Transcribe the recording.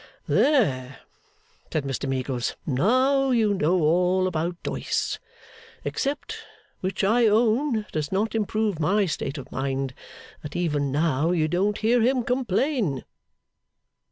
'There!' said Mr Meagles, 'now you know all about Doyce. Except, which I own does not improve my state of mind, that even now you don't hear him complain.